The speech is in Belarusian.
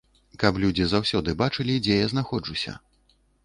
Каб людзі заўсёды бачылі, дзе я знаходжуся.